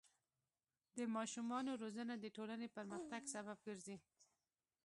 د ماشومانو روزنه د ټولنې پرمختګ سبب ګرځي.